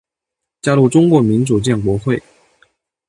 加入中国民主建国会。